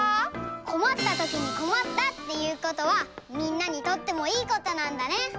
こまったときにこまったっていうことはみんなにとってもいいことなんだね。